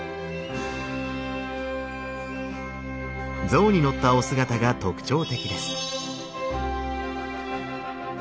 象に乗ったお姿が特徴的です。